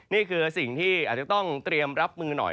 นี่คือสิ่งที่อาจจะต้องเตรียมรับมือหน่อย